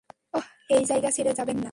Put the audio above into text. অহ, এই জায়গা ছেড়ে যাবেননা।